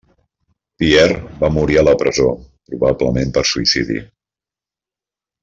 Pier va morir a la presó, probablement per suïcidi.